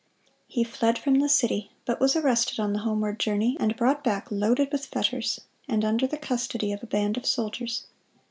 He fled from the city, but was arrested on the homeward journey, and brought back loaded with fetters, and under the custody of a band of soldiers.